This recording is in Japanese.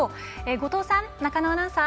後藤さん、中野アナウンサー